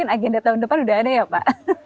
agenda tahun depan sudah ada ya pak